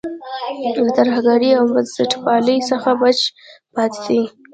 له ترهګرۍ او بنسټپالۍ څخه بچ پاتې دی.